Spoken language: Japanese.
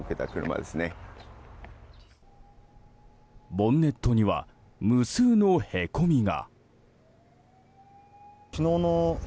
ボンネットには無数のへこみが。